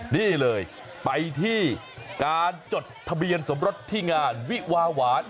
นี่เลยไปที่การจดทะเบียนสมรสที่งานวิวาหวาน